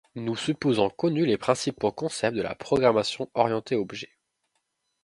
Nous supposons connus les principaux concepts de la programmation orientée-objet.